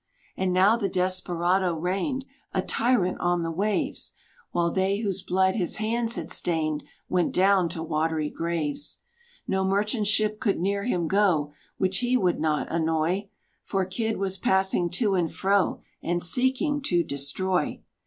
And now the desperado reigned, A tyrant on the waves; While they whose blood his hands had stained, Went down to watery graves. No merchant ship could near him go, Which he would not annoy; For Kidd was passing to and fro, And seeking to destroy.